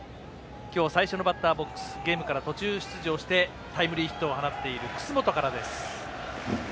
今日最初のバッターボックスゲームから途中出場してタイムリーヒットを放っている楠本からです。